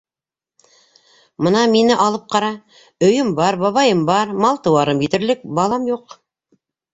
- Мына мине алып ҡара: өйөм бар, бабайым бар, мал-тыуарым етерлек, балам юҡ.